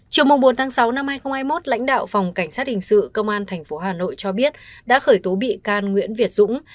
chiều bốn sáu hai nghìn hai mươi một lãnh đạo phòng cảnh sát hình sự công an tp hà nội cho biết đã khởi tố bị can nguyễn việt dũng